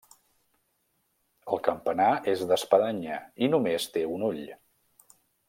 El campanar és d'espadanya i només té un ull.